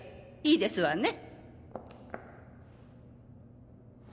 いいですわね！